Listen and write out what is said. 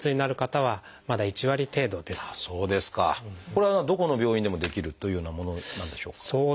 これはどこの病院でもできるというようなものなんでしょうか？